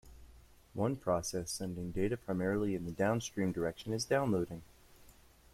One process sending data primarily in the downstream direction is downloading.